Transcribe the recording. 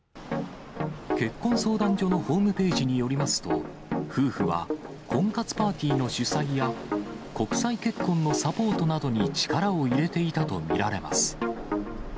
結婚相談所のホームページによりますと、夫婦は婚活パーティーの主催や、国際結婚のサポートなどに力を入れていたと見られます。